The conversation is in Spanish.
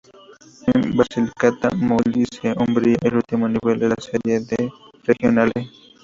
En Basilicata, Molise y Umbría el último nivel es la Serie D regionale.